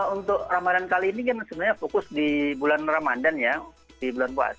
untuk ramadan kali ini kan sebenarnya fokus di bulan ramadan ya di bulan puasa